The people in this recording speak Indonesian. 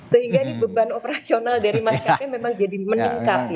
sehingga ini beban operasional dari mas kapai memang jadi meningkat ya